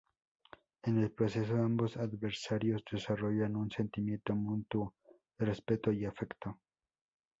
En el proceso, ambos adversarios desarrollan un sentimiento mutuo de respeto y afecto.